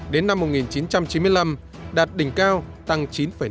đến năm một nghìn chín trăm chín mươi năm đạt đỉnh cao tăng chín năm